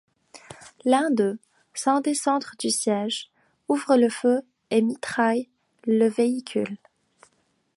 L'un d'eux, sans descendre du siège, ouvre le feu et mitraille le véhicule.